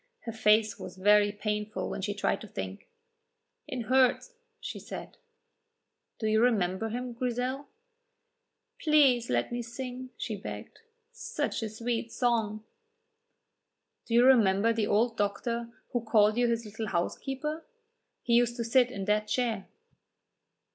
Her face was very painful when she tried to think. "It hurts," she said. "Do you remember him, Grizel?" "Please let me sing," she begged, "such a sweet song!" "Do you remember the old doctor who called you his little housekeeper? He used to sit in that chair."